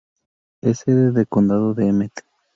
Es sede de condado de Emmet.